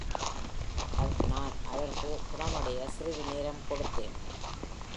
நான் அவர் குணமடைய சிறிது நேரம் கொடுத்தேன்.